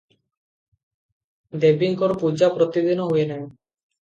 ଦେବୀଙ୍କର ପୂଜା ପ୍ରତିଦିନ ହୁଏ ନାହିଁ ।